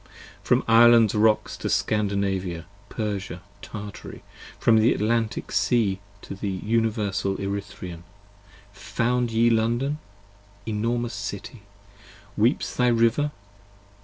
102 From Ireland's rocks to Scandinavia, Persia and Tartary, From the Atlantic Sea to the universal Erythrean, Found ye London! enormous City! weeps thy River?